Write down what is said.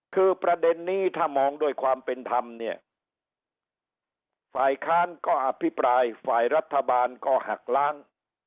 คือประเด็นนี้ถ้ามองด้วยความเป็นธรรมเนี่ยฝ่ายค้านก็อภิปรายฝ่ายรัฐบาลก็หักล้าง